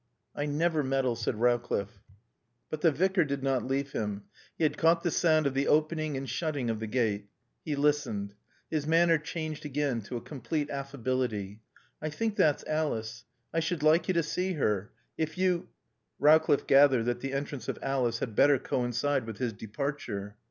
"I never meddle," said Rowcliffe. But the Vicar did not leave him. He had caught the sound of the opening and shutting of the gate. He listened. His manner changed again to a complete affability. "I think that's Alice. I should like you to see her. If you " Rowcliffe gathered that the entrance of Alice had better coincide with his departure.